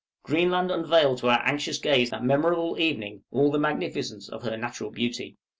Greenland unveiled to our anxious gaze that memorable evening, all the magnificence of her natural beauty.